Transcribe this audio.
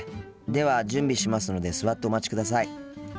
では準備しますので座ってお待ちください。